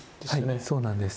はいそうなんです。